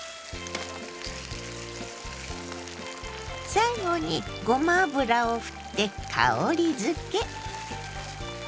最後にごま油をふって香りづけ。